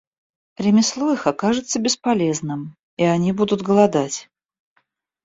Ремесло их окажется бесполезным, и они будут голодать.